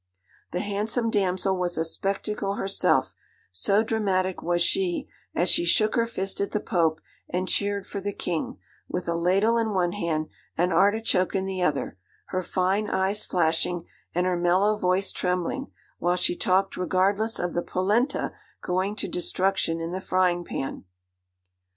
The handsome damsel was a spectacle herself, so dramatic was she as she shook her fist at the Pope, and cheered for the King, with a ladle in one hand, an artichoke in the other, her fine eyes flashing, and her mellow voice trembling, while she talked regardless of the polenta going to destruction in the frying pan.